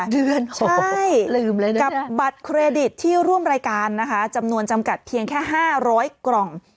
๖เดือนโอ้ยลืมเลยนะใช่กับบัตรเครดิตที่ร่วมรายการนะคะจำนวนจำกัดเพียงแค่๕๐๐กล่อง